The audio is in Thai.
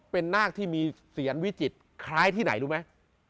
เป็นนาคที่มีเสียนวิจิตรคล้ายที่ไหนรู้ไหม